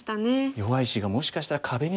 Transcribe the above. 弱い石がもしかしたら壁になってしまう。